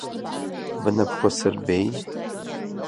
Бнапқәа сырбеи?